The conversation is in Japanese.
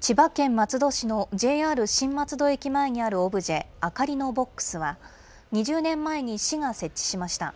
千葉県松戸市のＪＲ新松戸駅前にあるオブジェ、あかりのボックスは、２０年前に市が設置しました。